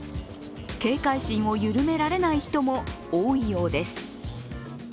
警戒心を緩められない人も多いようです。